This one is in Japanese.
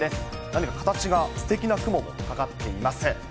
何か形がすてきな雲がかかっています。